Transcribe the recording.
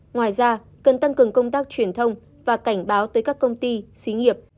ngoài ra cần tăng cường công tác truyền thông và cảnh báo tới các công ty xí nghiệp